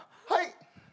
はい。